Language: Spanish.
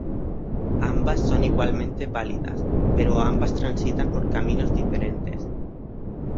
Ambas son igualmente válidas, pero ambas transitan por caminos diferentes.